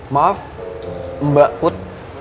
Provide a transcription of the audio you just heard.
maaf mbak put